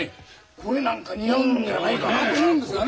これなんか似合うんじゃないかなと思うんですがね。